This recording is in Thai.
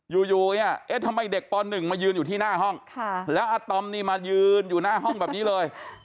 อยู่เนี่ยเอ๊ะทำไมเด็กป๑มายืนอยู่ที่หน้าห้องแล้วอาตอมนี่มายืนอยู่หน้าห้องแบบนี้เลย